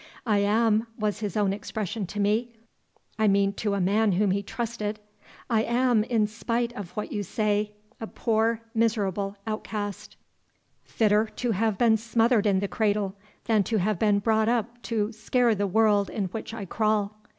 'I am,' was his own expression to me, I mean to a man whom he trusted, 'I am, in spite of what you would say, a poor miserable outcast, fitter to have been smothered in the cradle than to have been brought up to scare the world in which I crawl.